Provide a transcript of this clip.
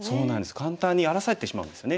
簡単に荒らされてしまうんですよね。